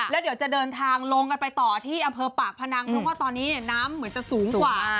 แล้วเดี๋ยวจะเดินทางลงกันไปต่อที่อำเภอปากพนังเพราะว่าตอนนี้เนี่ยน้ำเหมือนจะสูงกว่า